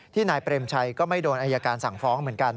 นายเปรมชัยก็ไม่โดนอายการสั่งฟ้องเหมือนกัน